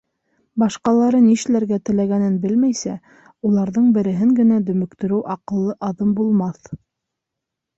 Башҡалары нишләргә теләгәнен белмәйсә, уларҙың береһен генә дөмөктөрөү аҡыллы аҙым булмаҫ.